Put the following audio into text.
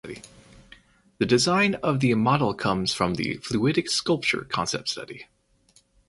The design of the model comes from the Fluidic Sculpture concept study.